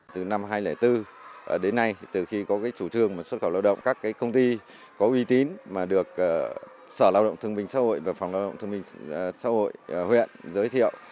từ năm hai nghìn bốn đến nay từ khi có chủ trương xuất khẩu lao động các công ty có uy tín mà được sở lao động thương minh xã hội và phòng lao động thương minh xã hội huyện giới thiệu